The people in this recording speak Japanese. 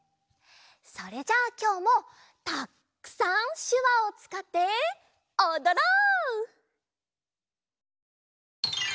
それじゃあきょうもたっくさんしゅわをつかっておどろう！